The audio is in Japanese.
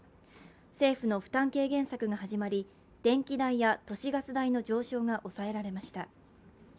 政府の負担軽減策が始まり電気代や都市ガス代の上昇が抑えられました。